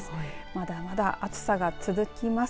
まだまだ暑さが続きます。